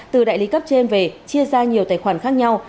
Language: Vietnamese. từ đại lý cấp trên về chia ra nhiều tài khoản khác nhau